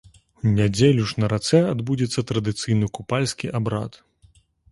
У нядзелю ж на рацэ адбудзецца традыцыйны купальскі абрад.